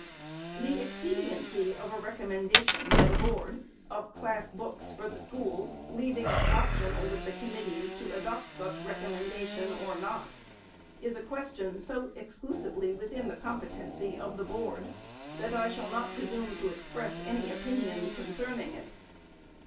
The expediency of a recommendation, by the Board, of class books for the schools, leaving it optional with the committees to adopt such recommendation or not, is a question so exclusively within the competency of the Board, that I shall not presume to express any opinion concerning it.